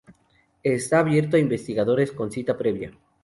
Está abierto a investigadores con cita previa.